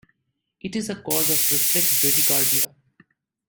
It is a cause of reflex bradycardia.